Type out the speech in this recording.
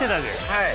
はい。